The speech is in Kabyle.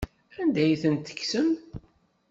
Anda ay tent-tkemsem?